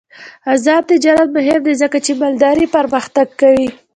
آزاد تجارت مهم دی ځکه چې مالداري پرمختګ کوي.